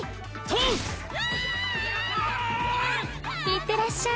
いってらっしゃい